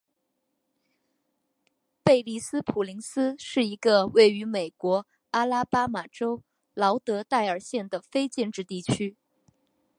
贝利斯普林斯是一个位于美国阿拉巴马州劳德代尔县的非建制地区。